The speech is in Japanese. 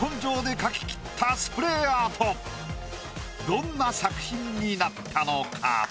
どんな作品になったのか？